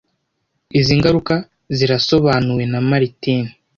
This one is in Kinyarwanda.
Izi ngaruka zirasobanuwe na Martin